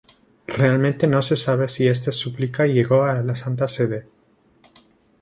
Realmente, no se sabe si esta Súplica llegó a la Santa Sede.